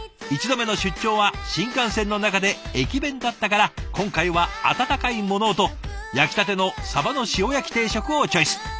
１度目の出張は新幹線の中で駅弁だったから今回は温かいものをと焼きたてのサバの塩焼き定食をチョイス。